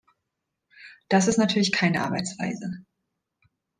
Das ist natürlich keine Arbeitsweise.